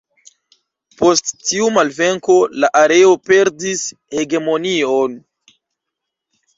Post tiu malvenko la areo perdis hegemonion.